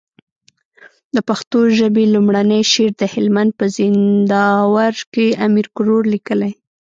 د پښتو ژبي لومړنی شعر د هلمند په زينداور کي امير کروړ ليکلی